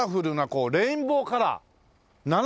こうレインボーカラー７色。